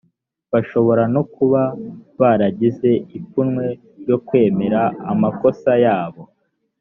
bashobora no kuba baragize ipfunwe ryo kwemera amakosa yabo